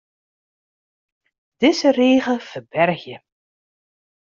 Dizze rige ferbergje.